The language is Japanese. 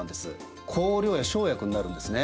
香料や生薬になるんですね。